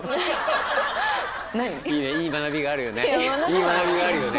いい学びがあるよね。